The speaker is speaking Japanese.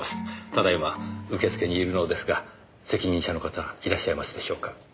ただ今受付にいるのですが責任者の方いらっしゃいますでしょうか？